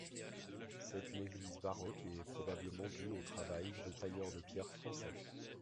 C'est une église baroque et probablement due au travail de tailleurs de pierre français.